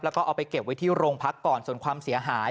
แล้วก็เอาไปเก็บไว้ที่โรงพักก่อนส่วนความเสียหาย